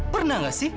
pernah gak sih